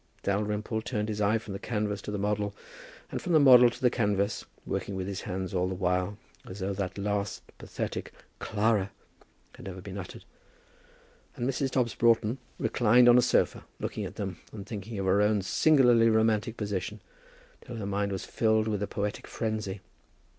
Dalrymple turned his eyes from the canvas to the model, and from the model to the canvas, working with his hand all the while, as though that last pathetic "Clara" had never been uttered; and Mrs. Dobbs Broughton reclined on a sofa, looking at them and thinking of her own singularly romantic position, till her mind was filled with a poetic frenzy.